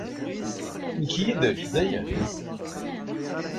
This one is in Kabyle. Nekk yid-k, dayen!